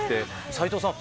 斎藤さん